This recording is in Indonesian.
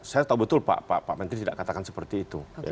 saya tahu betul pak menteri tidak katakan seperti itu